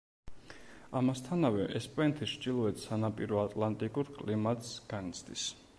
ამასთანავე, ესპანეთის ჩრდილოეთ სანაპირო ატლანტიკურ კლიმატს განიცდის.